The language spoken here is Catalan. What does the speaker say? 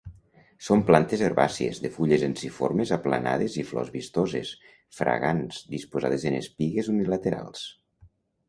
Són plantes herbàcies, de fulles ensiformes, aplanades i flors vistoses, fragants, disposades en espigues unilaterals.